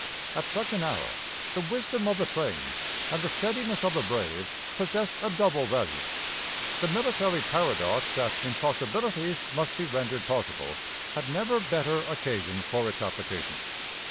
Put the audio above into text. At such an hour, the wisdom of the trained and the steadiness of the brave possess a double value. The military paradox that impossibilities must be rendered possible, had never better occasion for its application.